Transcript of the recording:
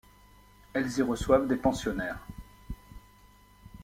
Elles y reçoivent des pensionnaires.